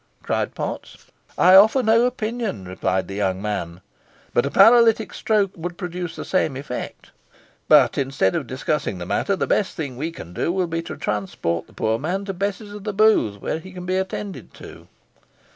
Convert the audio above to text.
cried Potts. "I offer no opinion," replied the young man; "but a paralytic stroke would produce the same effect. But, instead of discussing the matter, the best thing we can do will be to transport the poor man to Bess's o' th' Booth, where he can be attended to."